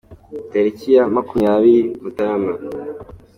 Tariki ya makumyabiri Mutarama